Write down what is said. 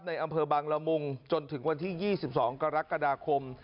อำเภอบางละมุงจนถึงวันที่๒๒กรกฎาคม